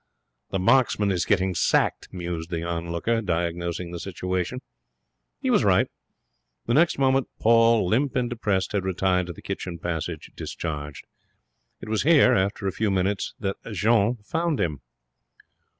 'The marksman is getting sacked,' mused the onlooker, diagnosing the situation. He was right. The next moment Paul, limp and depressed, had retired to the kitchen passage, discharged. It was here, after a few minutes, that Jeanne found him.